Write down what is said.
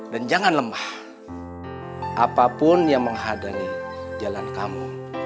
dan jangan lemah apapun yang menghadangi jalan kamu